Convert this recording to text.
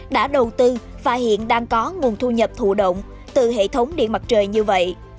đã đầu tư và hiện đang có nguồn thu nhập thụ động từ hệ thống điện mặt trời như vậy